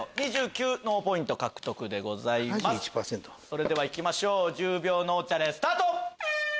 それではいきましょう１０秒脳チャレスタート！